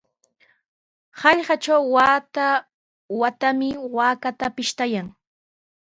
Hallqatraw wata-watami waakata pishtayan.